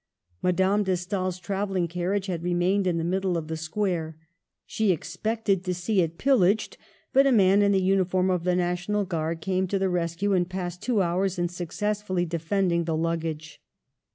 * Madame de Stael's travelling carriage had remained in the middle of the square. She ex pected to see it pillaged ; but a man in the uni . form of the National Guard came to the rescue and passed two hours in successfully defending the luggage.